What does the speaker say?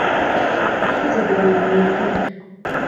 kitigoni ngetik